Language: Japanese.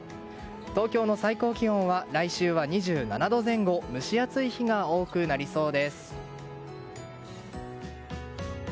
東京の最高気温は来週は２７度前後蒸し暑い日が多くなりそうです。